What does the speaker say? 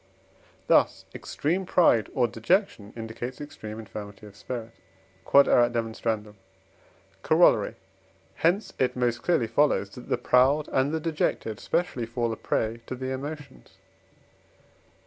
Thus extreme pride or dejection indicates extreme infirmity of spirit. Q.E.D. Corollary. Hence it most clearly follows, that the proud and the dejected specially fall a prey to the emotions.